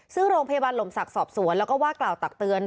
ซึ่งโรงพยาบาลลมศักดิ์สอบสวนแล้วก็ว่ากล่าวตักเตือน